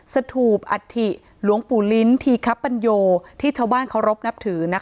สทูปอธิหลวงปู่ลิ้นทีครับปัญโยที่ชาวบ้านเค้ารบนับถือนะคะ